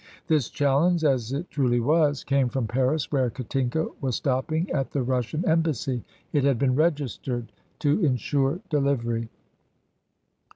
This challenge as it truly was came from Paris, where Katinka was stopping at the Russian Embassy. It had been registered, to ensure delivery.